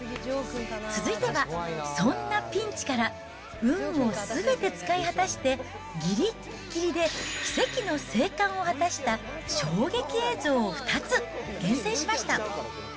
続いては、そんなピンチから運をすべて使い果たして、ぎりっぎりで奇跡の生還を果たした、衝撃映像を２つ、厳選しました。